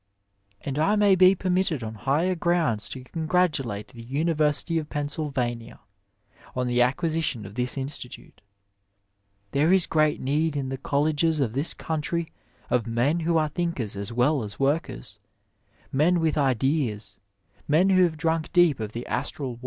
And I may be permitted on higher grounds to congratu late the University of Pennsylvania on the acquisition of this Institute. There is great need in the colleges of this country of men who are thinkers as well as workers — ^men with ideas, men who have drunk deep of tljie AstoJ wine^ 1 Social ^pqM(m.